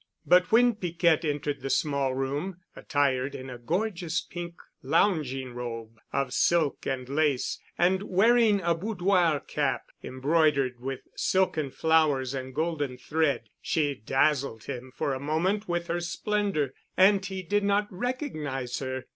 But when Piquette entered the small room, attired in a gorgeous pink lounging robe of silk and lace and wearing a boudoir cap embroidered with silken flowers and golden thread, she dazzled him for a moment with her splendor, and he did not recognize her.